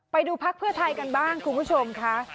พักเพื่อไทยกันบ้างคุณผู้ชมค่ะ